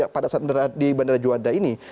pada saat di bandara juanda ini